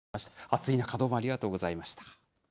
暑い中どうもありがとうございました。